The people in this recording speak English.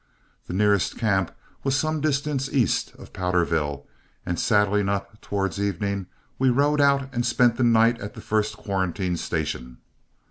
The nearest camp was some distance east of Powderville, and saddling up towards evening we rode out and spent the night at the first quarantine station.